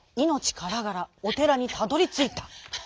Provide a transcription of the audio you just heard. からがらおてらにたどりついた。